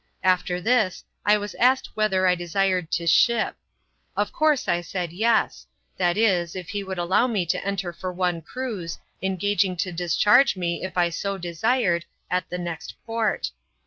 After this I was asked whether I desired to " ship ;" of course I said yes; that is, if he would allow me to enter for one cruise, engaging to discharge me, if I so desired, at the next port.